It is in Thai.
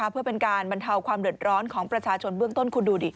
เพื่อเป็นการบรรเทาความเร็วร้อนของประชาชนเบื้องต้น